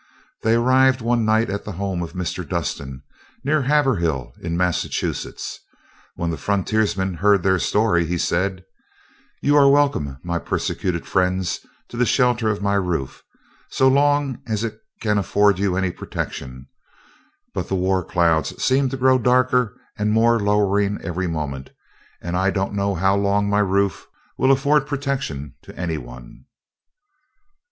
They arrived one night at the home of Mr. Dustin, near Haverhill, in Massachusetts. When the frontiersman heard their story, he said: "You are welcome, my persecuted friends, to the shelter of my roof, so long as it can afford you any protection; but the war clouds seem to grow darker and more lowering every moment, and I don't know how long my roof will afford protection to any one."